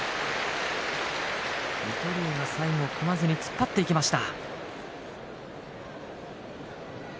水戸龍が最後組まずに突っ張っていきました。